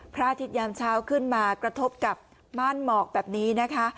พระอาทิตยามเช้าขึ้นมากระทบกับม่านหมอกแบบนี้นะคะ